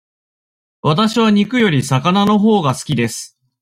わたしは肉より魚のほうが好きです。